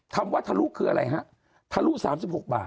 ที่เราคืออะไรฮะทะลุ๓๖บาท